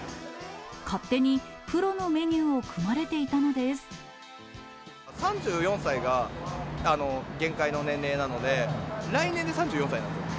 勝手にプロのメニューを組ま３４歳が限界の年齢なので、来年で３４歳なんですよ。